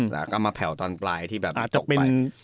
แล้วก็มาแผ่วตอนปลายที่แบบตกไป